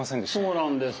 そうなんです。